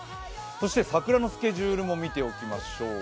そして桜のスケジュールも見ておきましょう。